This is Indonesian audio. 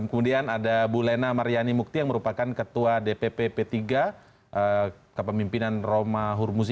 kemudian ada bulena mariani mukti yang merupakan ketua dpp p tiga kepemimpinan roma hurmusi